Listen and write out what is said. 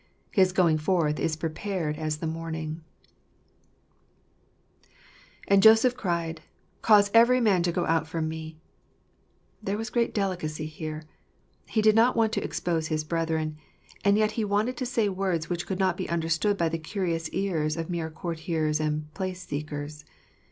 " His going forth is prepared as the morning," And Joseph cried , lt Cause every man to go out from me:* There was great delicacy here. He did not want to expose his brethren ; and yet he wanted to say words which could not be understood by the curious ears of mere courtiers and place seekers.